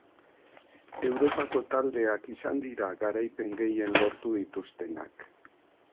Europako taldeak izan dira garaipen gehien lortu dituztenak.